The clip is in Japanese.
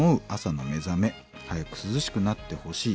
早く涼しくなってほしい」。